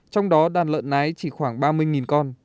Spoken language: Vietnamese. trong đó đàn lợn nái chỉ khoảng ba mươi con